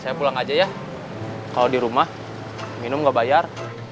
saya pulang aja ya kalau di rumah minum nggak bayar